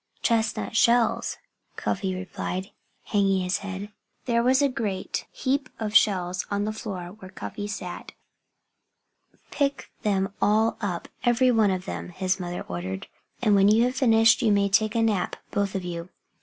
"Chestnut shells," Cuffy replied, hanging his head. There was a great heap of shells on the floor where Cuffy had sat. "Pick them all up every one of them," his mother ordered. "And when you have finished you may take a nap both of you."